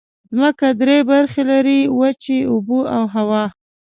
ځمکه درې برخې لري: وچې، اوبه او هوا.